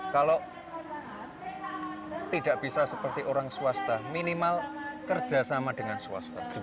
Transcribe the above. kalau tidak bisa seperti orang swasta minimal kerjasama dengan swasta